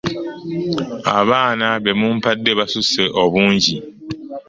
Abaana be mumpadde basusse obungi.